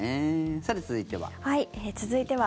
さて、続いては。